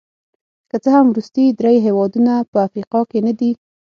که څه هم وروستي درې هېوادونه په افریقا کې نه دي.